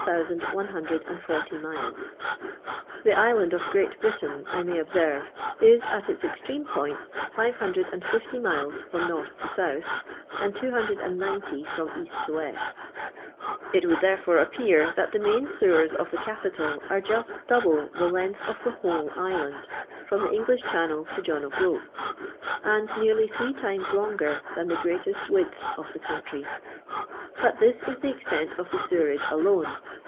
5140 The island of Great Britun, I may observe, is, at its extreme points, 550 miles from north to south, and 290 from east to west It would, there fore, appear that the main sewers of the capital are just double the length of the whole island, from the English Channel to John o' Groats, and nearly three times longer than the greatest width of tiie country. But this is the extent of the sewerage alone.